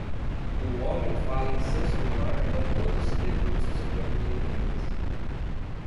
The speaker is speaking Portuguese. Um homem fala em seu celular enquanto se debruça sobre alguns documentos.